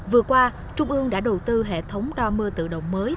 vừa qua trung ương đã đầu tư hệ thống đo mưa tự động mới